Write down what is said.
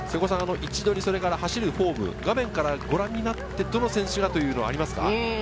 位置取り、走るフォーム、画面から見て、どの選手がというのはありますか？